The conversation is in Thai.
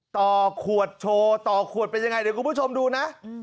ต่อขวดโชว์ต่อขวดเป็นยังไงเดี๋ยวคุณผู้ชมดูนะ